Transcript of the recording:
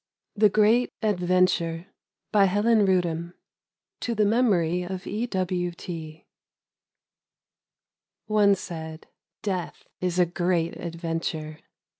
THE GREAT ADVENTURE: TO THE MEMORY OF E. W. T. ONE said, —' Death is a great adventure.'